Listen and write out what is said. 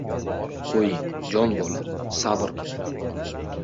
— Qo‘ying, jon bolam, sabr qiling.